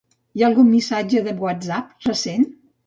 Hi ha algun missatge de Whatsapp recent?